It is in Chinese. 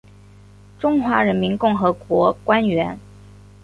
中华人民共和国官员。